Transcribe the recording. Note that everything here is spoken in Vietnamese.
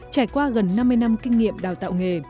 trải qua gần năm mươi năm kinh nghiệm đào tạo nghề